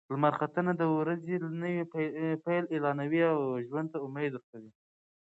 لمر ختنه د ورځې نوی پیل اعلانوي او ژوند ته امید ورکوي.